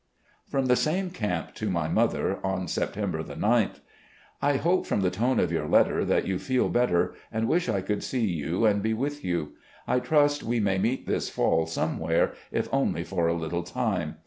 From the same camp, to my mother, on September 9th: "... I hope from the tone of your letter that you feel better, and wish I could see you and be with you. I trust we may meet this fall somewhere, if only for a little time.